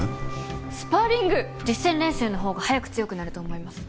実戦練習のほうが早く強くなると思います。